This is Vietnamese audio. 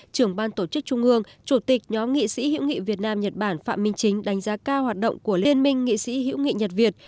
trưởng ban tổ chức trung ương chủ tịch nhóm nghị sĩ hữu nghị việt nam nhật bản phạm minh chính đánh giá cao hoạt động của liên minh nghị sĩ hữu nghị nhật việt